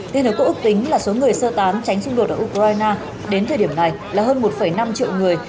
liên hợp quốc ước tính là số người sơ tán tránh xung đột ở ukraine đến thời điểm này là hơn một năm triệu người